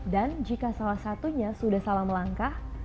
dan jika salah satunya sudah salah melangkah